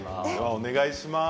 お願いします。